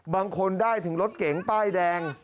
บางคนได้ถึงรถเก๋งป้ายแดง